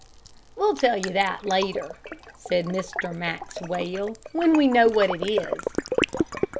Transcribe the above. "We'll tell you that later," said Mr. Maxwell, "when we know what it is."